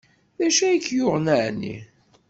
D acu ay k-yuɣen ɛni?